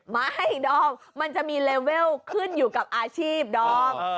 ไม่ดอมมันจะมีเลเวลขึ้นอยู่กับอาชีพดอม